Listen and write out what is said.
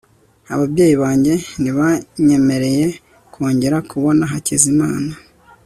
ababyeyi banjye ntibanyemereye kongera kubona hakizimana